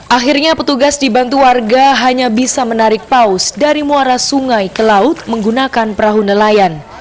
akhirnya petugas dibantu warga hanya bisa menarik paus dari muara sungai ke laut menggunakan perahu nelayan